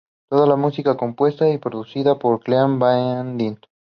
Toda la música compuesta y producida por Clean Bandit.